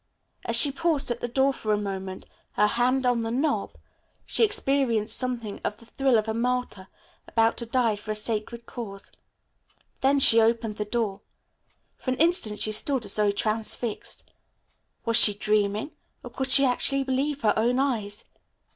As she paused at the door for a moment, her hand on the knob, she experienced something of the thrill of a martyr, about to die for a sacred cause. Then she opened the door. For an instant she stood as though transfixed. Was she dreaming, or could she actually believe her own eyes?